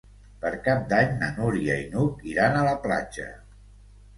Per Cap d'Any na Núria i n'Hug iran a la platja.